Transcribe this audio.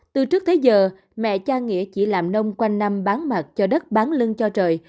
từ trước tới giờ mẹ cha nghĩa chỉ làm nông quanh năm bán mặt cho đất bán lưng cho trời